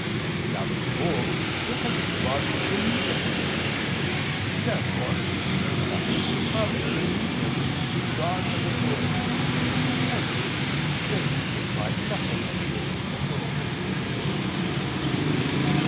Now the soul quickens the body immediately. Therefore nothing can come as a medium between God and the soul. Hence grace implies nothing created in the soul.